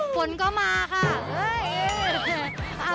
ฝนก็มาค่ะ